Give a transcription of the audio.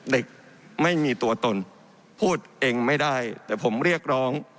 เด็กไม่มีตัวตนพูดเองไม่ได้แต่ผมเรียกร้อง